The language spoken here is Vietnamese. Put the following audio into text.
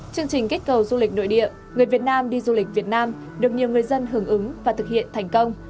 chương trình kích cầu du lịch nội địa người việt nam đi du lịch việt nam được nhiều người dân hưởng ứng và thực hiện thành công